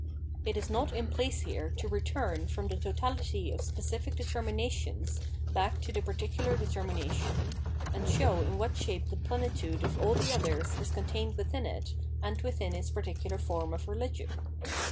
It is not in place here to return ihom the totahty of specific determinations back to the particular deter mination, and show in what shape the plenitude of all the others is contained within it and within its par ticular form of religion.